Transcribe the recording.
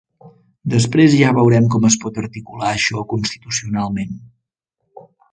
Després ja veurem com es pot articular això constitucionalment.